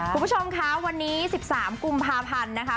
ผู้ผู้ชมคะวันนี้สิบสามกลุ่มพาพันธ์นะคะ